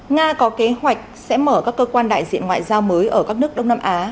nga có kế hoạch sẽ mở các cơ quan đại diện ngoại giao mới ở các nước đông nam á